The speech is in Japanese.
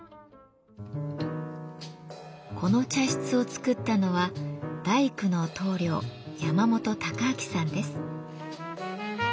この茶室をつくったのは大工の棟梁・山本隆章さんです。